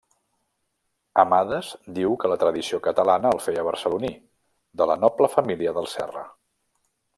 Amades diu que la tradició catalana el feia barceloní, de la noble família dels Serra.